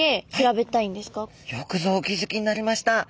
よくぞお気づきになりました。